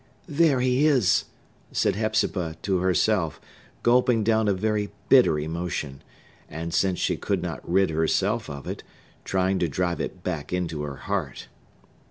"There he is!" said Hepzibah to herself, gulping down a very bitter emotion, and, since she could not rid herself of it, trying to drive it back into her heart.